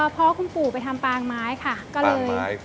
พ่อคุณปู่ไปทำปางไม้ค่ะก็เลยปางไม้คือ